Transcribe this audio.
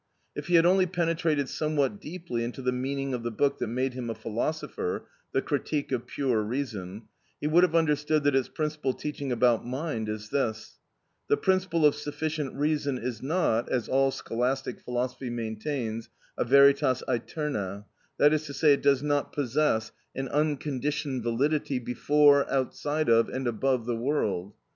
If he had only penetrated somewhat deeply into the meaning of the book that made him a philosopher, "The Critique of Pure Reason," he would have understood that its principal teaching about mind is this. The principle of sufficient reason is not, as all scholastic philosophy maintains, a veritas aeterna—that is to say, it does not possess an unconditioned validity before, outside of, and above the world.